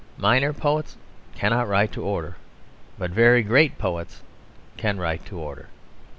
Minor poets cannot write to order; but very great poets can write to order.